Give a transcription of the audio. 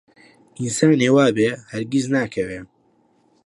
ئینسانێ وابێ هەرگیز ناکەوێ